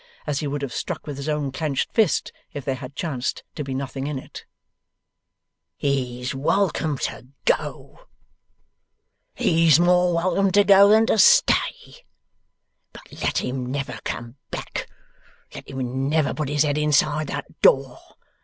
As he would have struck with his own clenched fist if there had chanced to be nothing in it. 'He's welcome to go. He's more welcome to go than to stay. But let him never come back. Let him never put his head inside that door.